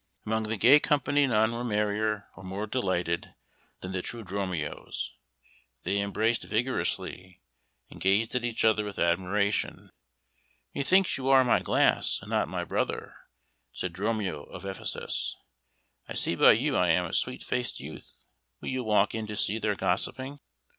] Among the gay company none were merrier or more delighted than the two Dromios. They embraced vigorously, and gazed at each other with admiration. "Methinks you are my glass, and not my brother," said Dromio of Ephesus. "I see by you I am a sweet faced youth. Will you walk in to see their gossiping?"